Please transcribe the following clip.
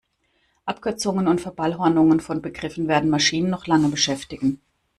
Abkürzungen und Verballhornungen von Begriffen werden Maschinen noch lange beschäftigen.